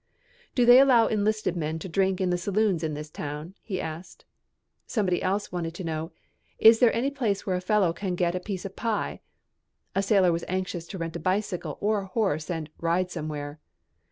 "Do they allow enlisted men to drink in the saloons in this town?" he asked. Somebody else wanted to know, "Is there any place in town where a fellow can get a piece of pie?" A sailor was anxious to rent a bicycle or a horse and "ride somewhere."